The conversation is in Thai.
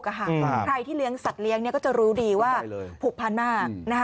ใครที่เลี้ยงสัตว์เลี้ยงก็จะรู้ดีว่าผูกพันมาก